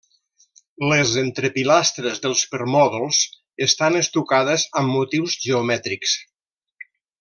Les entrepilastres dels permòdols estan estucades amb motius geomètrics.